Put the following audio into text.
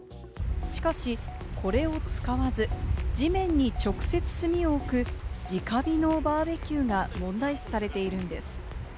しかし、これを使わず、地面に直接、炭を置く、直火のバーベキューが問題視されているんです。